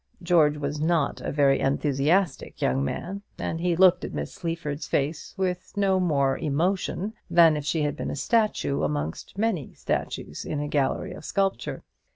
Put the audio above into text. George was not a very enthusiastic young man, and he looked at Miss Sleaford's face with no more emotion than if she had been a statue amongst many statues in a gallery of sculpture.